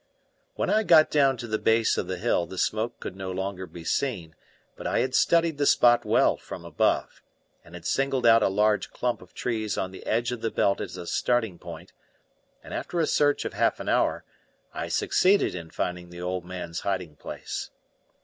When I got down to the base of the hill the smoke could no longer be seen, but I had studied the spot well from above, and had singled out a large clump of trees on the edge of the belt as a starting point; and after a search of half an hour I succeeded in finding the old man's hiding place.